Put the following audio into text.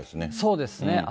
そうですね。